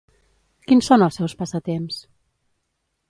Quins són els seus passatemps?